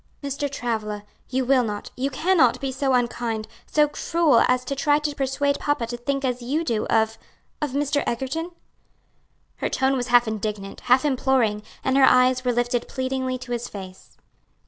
"Mr. Travilla, you will not, you cannot be so unkind, so cruel, as to try to persuade papa to think as you do of of Mr. Egerton?" Her tone was half indignant, half imploring, and her eyes were lifted pleadingly to his face.